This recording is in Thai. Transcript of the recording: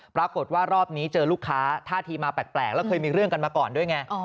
รอบนี้เจอลูกค้าท่าทีมาแปลกแล้วเคยมีเรื่องกันมาก่อนด้วยไง